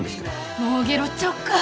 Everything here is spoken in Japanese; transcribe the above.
もうゲロっちゃおうか。